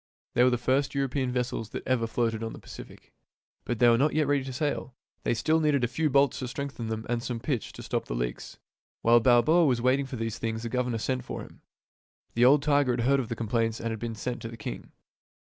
They were the first European vessels that ever floated on the Pacific. But they were not yet ready to sail. They still needed a few bolts to strengthen them and some pitch to stop the leaks. While Balboa was waiting for these things the governor sent for him. The old tiger had heard of the complaints that had been sent to the king.